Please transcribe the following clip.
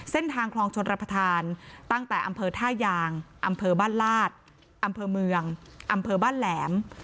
เส้นทางคลองชนรับประทานตั้งแต่อำเภอท่ายางอำเภอบ้านลาดอำเภอเมืองอำเภอบ้านแหลม